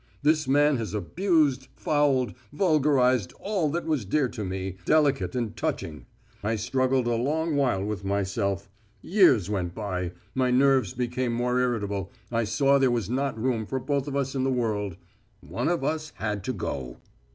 This man has abused, fouled, vulgarised all that was dear to me, delicate and touching. I struggled a long while with myself. Years went by. My nerves became more irritable I saw there was not room for both of us in the world. One of us had to go.